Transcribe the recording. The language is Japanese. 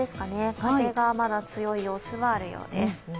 風がまだ強い様子があるようです。